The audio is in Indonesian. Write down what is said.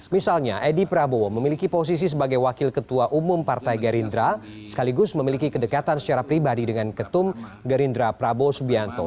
misalnya edi prabowo memiliki posisi sebagai wakil ketua umum partai gerindra sekaligus memiliki kedekatan secara pribadi dengan ketum gerindra prabowo subianto